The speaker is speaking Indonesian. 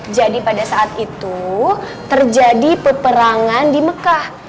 pada saat itu terjadi peperangan di mekah